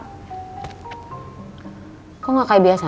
hai kok gak kayak biasanya